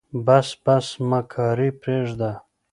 بس بس مکاري پرېده.